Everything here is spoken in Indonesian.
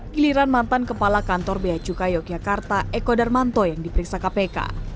giliran mantan kepala kantor beacuka yogyakarta eko darmanto yang diperiksa kpk